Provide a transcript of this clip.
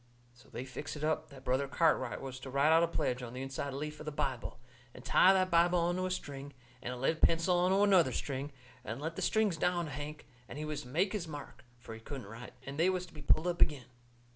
So they fixed it up that Brother Cartwright was to write out a pledge on the inside leaf of the Bible, and tie the Bible onto a string, and a lead pencil onto another string, and let the strings down to Hank, and he was to make his mark, fur he couldn't write, and they was to be pulled up agin.